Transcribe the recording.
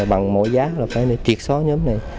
bằng mỗi giá là phải triệt xóa nhóm này